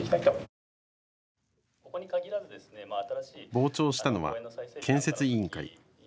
傍聴したのは建設委員会。